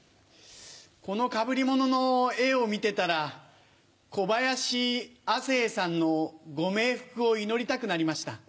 このかぶり物の絵を見てたら小林亜星さんのご冥福を祈りたくなりました。